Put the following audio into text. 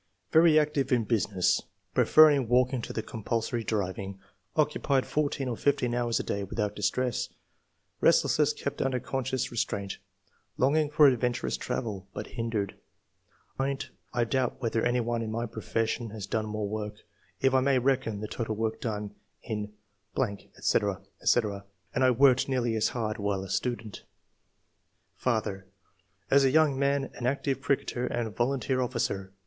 10. " Very active in business, preferring walk ing to the compulsory driving ; occupied fourteen or fifteen hours a day without distress ; restless ness kept under conscious restraint ; longing for adventurous travel, but hindered. 0/ mind — I doubt whether anyone in my profession has done more work, if I may reckon the total work done in ... &c., &c.; and I worked nearly as hard while a student. II.] QUALITIES. 83 " Father — As a young man, an active cricketer and volunteer officer.